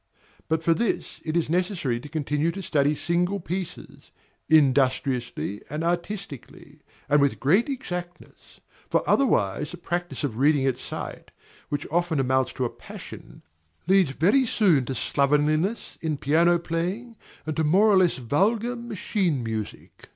But for this it is necessary to continue to study single pieces, industriously and artistically, and with great exactness; for otherwise the practice of reading at sight, which often amounts to a passion, leads very soon to slovenliness in piano playing and to more or less vulgar machine music.